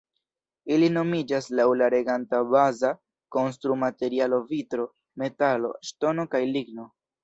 Ili nomiĝas laŭ la reganta baza konstrumaterialo vitro, metalo, ŝtono kaj ligno.